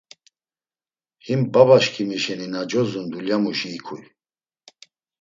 Him babaşǩimi şeni na cozun dulyamuşi ikuy.